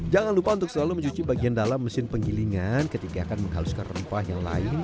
jangan lupa untuk selalu mencuci bagian dalam mesin penggilingan ketika akan menghaluskan rempah yang lain